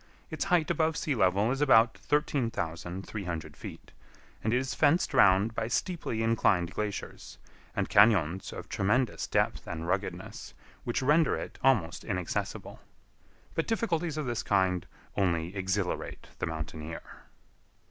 Its height above sea level is about 13,300 feet, and it is fenced round by steeply inclined glaciers, and cañons of tremendous depth and ruggedness, which render it almost inaccessible. But difficulties of this kind only exhilarate the mountaineer.